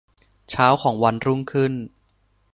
เช้าของวันรุ่งขึ้น